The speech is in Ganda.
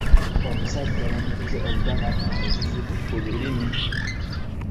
Omusajja bamuteze obutwa n'afuna ekizibu ku lulimi.